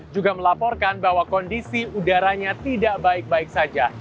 juga melaporkan bahwa kondisi udaranya tidak baik baik saja